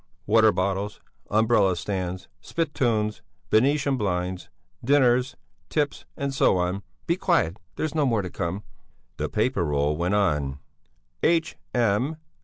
"Water bottles, umbrella stands, spittoons, Venetian blinds, dinners, tips and so on. Be quiet, there's more to come!" The paper roll went on: "H.M.